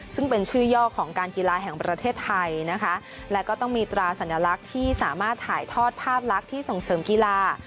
ซึ่งเป็นชื่อย่อของการกีฬาแห่งประเทศไทยนะคะและก็ต้องมีตราสัญลักษณ์ที่สามารถถ่ายทอดภาพลักษณ์ที่ส่งเสริมกีฬา